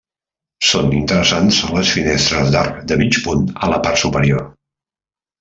Són interessants les finestres d'arc de mig punt a la part superior.